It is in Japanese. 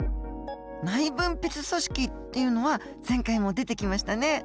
内分泌組織っていうのは前回も出てきましたね。